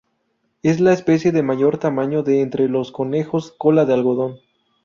Es la especie de mayor tamaño de entre los conejos cola de algodón.